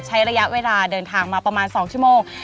ใช้ระยะเวลาเดินทางมาประมาณ๒ชั่วโมง